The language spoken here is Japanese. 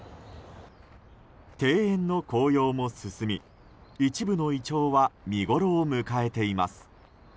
庭園の紅葉も進み一部のイチョウは見ごろを迎えています。